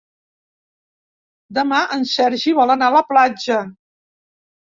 Demà en Sergi vol anar a la platja.